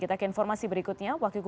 kita akan informasi berikutnya